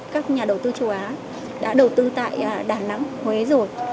các nhà đầu tư châu á đã đầu tư tại đà nẵng huế rồi